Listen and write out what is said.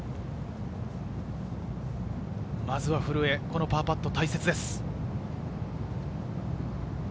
まずは古江、パーパット大切です。